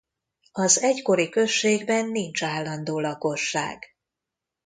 Az egykori községben nincs állandó lakosság.